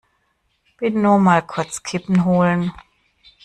Bin nur mal kurz Kippen holen!